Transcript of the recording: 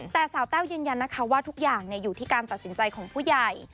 แต่สาวแต้วยืนยันนะคะว่าทุกอย่างอยู่ที่การตัดสินใจของผู้ใหญ่